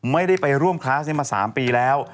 ไม่ได้ไปร่วมคลาสนี้มา๓ปีแล้ว